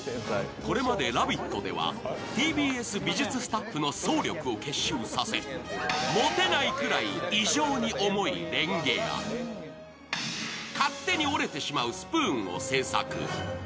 これまで「ラヴィット！」ではＴＢＳ美術スタッフの総力を結集させ持てないくらい異常に重いれんげや勝手に折れてしまうスプーンを制作。